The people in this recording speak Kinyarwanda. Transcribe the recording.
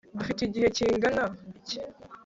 dufite igihe kingana iki